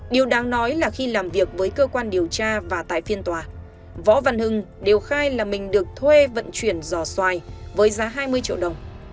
điều đáng nói là khi làm việc với cơ quan điều tra và tại phiên tòa võ văn hưng đều khai là mình được thuê vận chuyển giò xoài với giá hai mươi triệu đồng